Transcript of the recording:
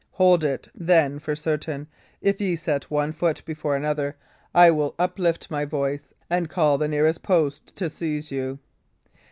Hold it, then, for certain, if ye set one foot before another, I will uplift my voice and call the nearest post to seize you."